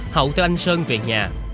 hậu theo anh sơn về nhà